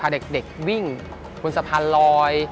มีการพาเด็กวิ่งบนสะพานลอย